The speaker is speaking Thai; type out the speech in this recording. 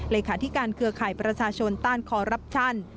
เลขาธิการเครือข่ายประชาชนต้านคอรับชัน